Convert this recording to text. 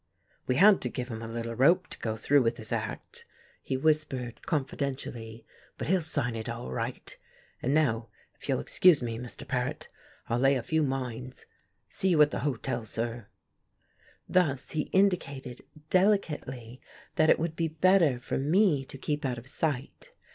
"We had to give him a little rope to go through with his act," he whispered confidentially. "But he'll sign it all right. And now, if you'll excuse me, Mr. Paret, I'll lay a few mines. See you at the hotel, sir." Thus he indicated, delicately, that it would be better for me to keep out of sight.